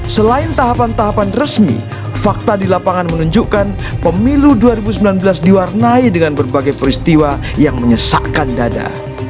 selain tahapan tahapan resmi fakta di lapangan menunjukkan pemilu dua ribu sembilan belas diwarnai dengan berbagai peristiwa yang menyesakkan dada